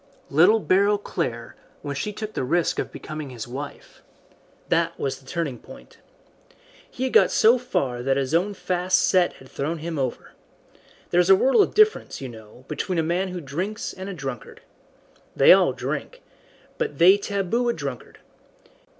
"Little Beryl Clare, when she took the risk of becoming his wife. That was the turning point. He had got so far that his own fast set had thrown him over. There is a world of difference, you know, between a man who drinks and a drunkard. They all drink, but they taboo a drunkard.